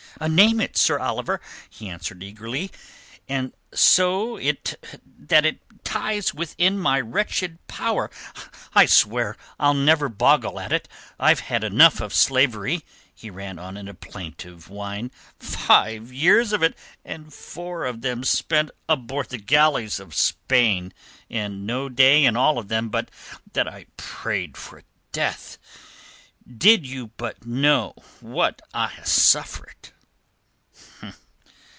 "Name it, Sir Oliver," he answered eagerly. "And so that it lies within my wretched power I swear I'll never boggle at it. I've had enough of slavery," he ran on in a plaintive whine. "Five years of it, and four of them spent aboard the galleys of Spain, and no day in all of them but that I prayed for death. Did you but know what I ha' suffered."